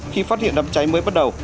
khi phát hiện đám cháy mới bắt đầu